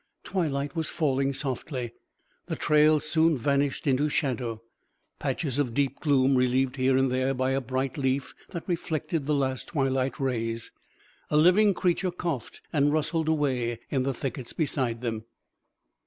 Twilight was falling softly. The trails soon vanished into shadow patches of deep gloom, relieved here and there by a bright leaf that reflected the last twilight rays. A living creature coughed and rustled away in the thickets beside him.